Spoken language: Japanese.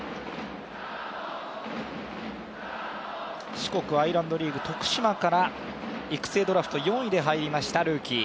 四国アイランドリーグ、徳島から育成ドラフト４位で入りましたルーキー。